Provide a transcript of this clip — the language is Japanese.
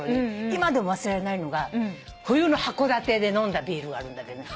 今でも忘れられないのが冬の函館で飲んだビールがあるんだけどね。